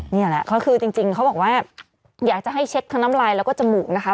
นี่แหละก็คือจริงเขาบอกว่าอยากจะให้เช็คทั้งน้ำลายแล้วก็จมูกนะคะ